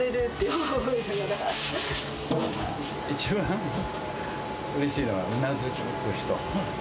一番うれしいのは、うなずく人。